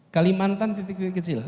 kalimantan titik titik kecil